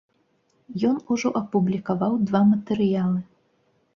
Ён ужо апублікаваў два матэрыялы.